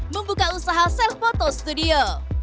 membuka usaha self photo studio